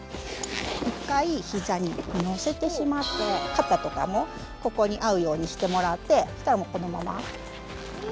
１回ひざに乗せてしまって肩とかもここに合うようにしてもらってしたらもうこのまま。